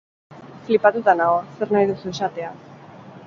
Flipatuta nago, zer nahi duzu esatea.